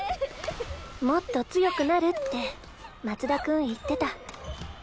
もっと強くなるって松田君言ってた。